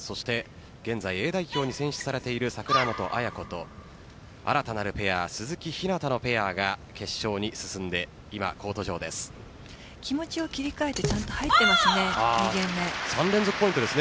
現在、Ａ代表に選出されている櫻本絢子と新たなるペア鈴木陽向のペアが決勝に進んで今、コート上です。